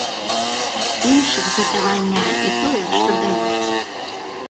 Іншых задавальняе і тое, што даюць.